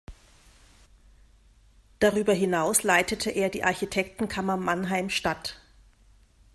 Darüber hinaus leitete er die Architektenkammer Mannheim-Stadt.